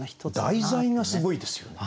題材がすごいですよね。